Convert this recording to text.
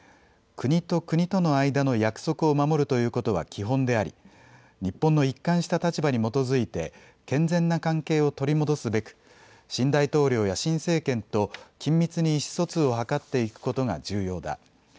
国と国との間の約束を守るということは基本であり、日本の一貫した立場に基づいて健全な関係を取り戻すべく新大統領や新政権と緊密に意思疎通を図っていくことが重要だ。